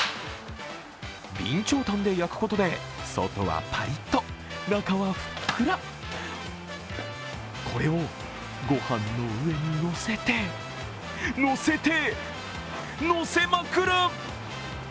備長炭で焼くことで外はぱりっと、中はふっくらこれを御飯の上にのせて、のせて、のせまくる！